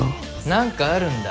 何かあるんだ？